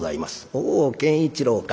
「おう健一郎か。